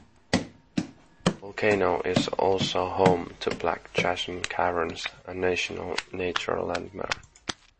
Volcano is also home to Black Chasm Caverns, a National Natural Landmark.